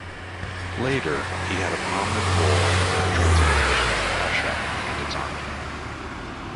Later, he had a prominent role in the transformation of Prussia and its army.